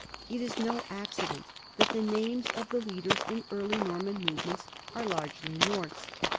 It is no accident that the names of the leaders in early Norman movements are largely Norse.